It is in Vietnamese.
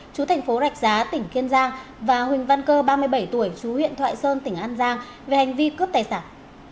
chú thành phố rạch giá tỉnh kiên giang và huỳnh văn cơ ba mươi bảy tuổi chú huyện thoại sơn tỉnh an giang về hành vi cướp tài sản